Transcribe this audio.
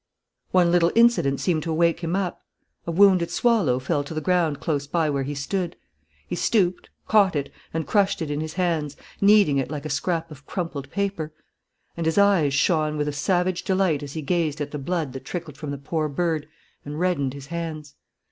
One little incident seemed to wake him up. A wounded swallow fell to the ground close by where he stood. He stooped, caught it, and crushed it in his hands, kneading it like a scrap of crumpled paper. And his eyes shone with a savage delight as he gazed at the blood that trickled from the poor bird and reddened his hands.